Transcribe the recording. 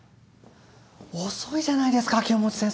遅いじゃないですか剣持先生。